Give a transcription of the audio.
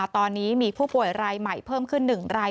ตอนนี้มีผู้ป่วยรายใหม่เพิ่มขึ้น๑ราย